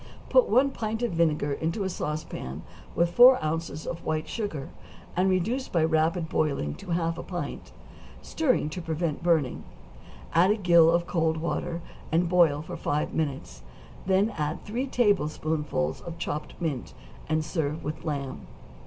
= Put one pint of vinegar into a sauce pan with four ounces of white sugar, and reduce by rapid boiling to half a pint, stirring to prevent burning; add a gill of cold water, and boil for five minutes; then add three tablespoonfuls of chopped mint, and serve with lamb.